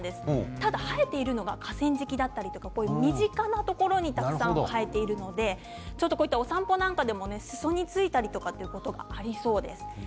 ただ生えているのが河川敷だったり身近なところにたくさん生えているのでお散歩なんかでも、すそについたりとかありそうです。